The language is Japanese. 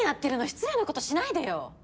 失礼なことしないでよ！